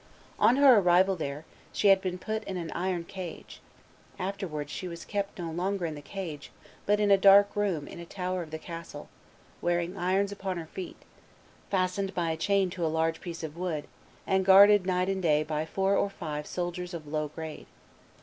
On her arrival there, she had been put in an iron cage; afterwards she was kept no longer in the cage, but in a dark room in a tower of the castle, wearing irons upon her feet, fastened by a chain to a large piece of wood, and guarded night and day by four or five "soldiers of low grade."